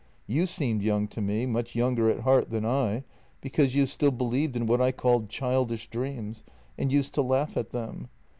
You seemed young to me, much younger at heart than I, because you still believed in what I called childish dreams and used to laugh at them.